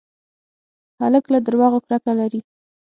هلک له دروغو کرکه لري.